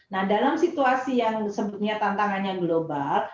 nah dalam situasi yang disebutnya tantangannya global